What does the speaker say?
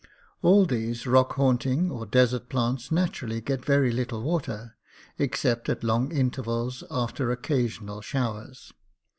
All these rock haunting or desert plants naturally get very little water, except at long intervals after oc casional showers.